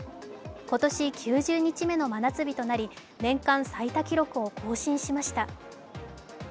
今年９０日目の真夏日となり、年間最多記録を更新しました。